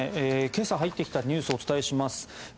今朝、入ってきたニュースお伝えします。